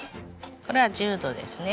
これは１０度ですね。